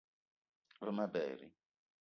Ve ma berri